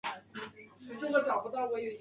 伊多芒迪。